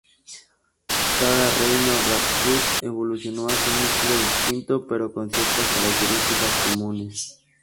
Cada reino rajput evolucionó hacia un estilo distinto, pero con ciertas características comunes.